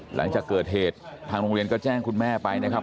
หลังจากเกิดเหตุทางโรงเรียนก็แจ้งคุณแม่ไปนะครับ